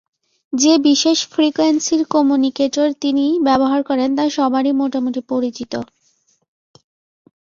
যে বিশেষ ফ্রিকোয়েন্সির কম্যুনিকেটর তিনি ব্যবহার করেন তা সবারই মোটামুটি পরিচিত।